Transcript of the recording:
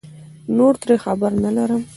نور ترې خبر نه لرم